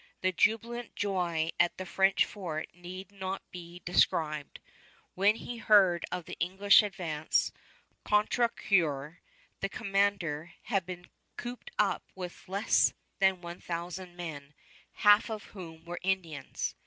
The jubilant joy at the French fort need not be described. When he heard of the English advance, Contrecoeur, the commander, had been cooped up with less than one thousand men, half of whom were Indians.